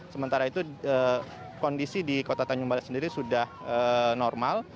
sementara itu kondisi di kota tanjung balai sendiri sudah normal